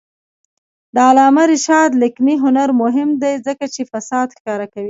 د علامه رشاد لیکنی هنر مهم دی ځکه چې فساد ښکاره کوي.